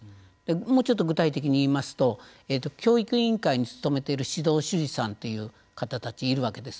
もうちょっと具体的に言いますと教育委員会に勤めている指導主事さんがいるわけです。